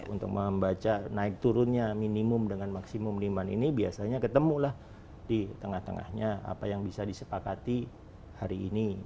untuk membaca naik turunnya minimum dengan maksimum liman ini biasanya ketemulah di tengah tengahnya apa yang bisa disepakati hari ini